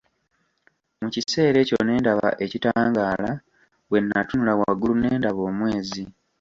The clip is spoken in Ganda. Mu kiseera ekyo ne ndaba ekitangaala, bwe natunula waggulu ne ndaba omwezi.